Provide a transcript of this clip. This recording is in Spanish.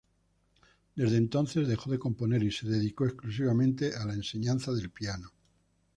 Desde entonces, dejó de componer y se dedicó exclusivamente a la enseñanza del piano.